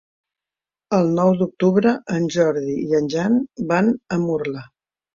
El nou d'octubre en Jordi i en Jan van a Murla.